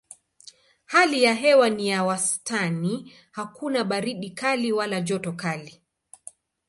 Hali ya hewa ni ya wastani hakuna baridi kali wala joto kali.